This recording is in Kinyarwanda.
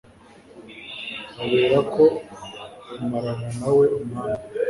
baherako bamarana na we umwanya